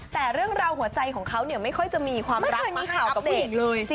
แต่เรื่องราวหัวใจของเขาเนี่ยไม่ค่อยจะมีความรักมาให้อัปเดตเลย